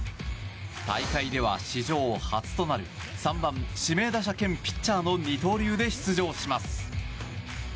大会では史上初となる３番、指名打者兼ピッチャーの二刀流で出場します。